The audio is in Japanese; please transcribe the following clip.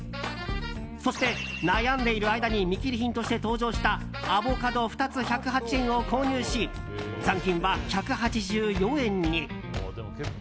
そして悩んでいる間に見切り品として登場したアボカド２つ、１０８円を購入し残金は１８４円に。